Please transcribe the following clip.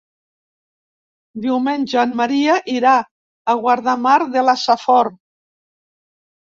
Diumenge en Maria irà a Guardamar de la Safor.